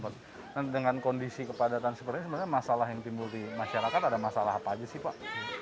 dan dengan kondisi kepadatan seperti ini sebenarnya masalah yang timbul di masyarakat ada masalah apa aja sih pak